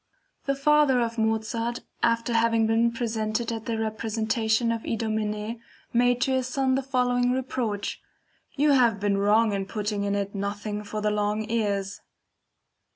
The father of Mozart after having been present at a representation of IDOMENEE made to his son the following reproach: "You have been wrong in putting in it nothing for the long ears."